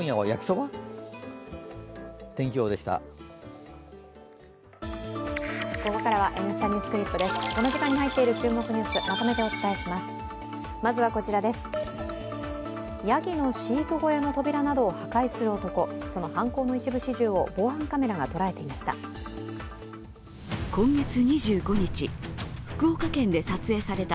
その犯行の一部始終を防犯カメラが捉えていました。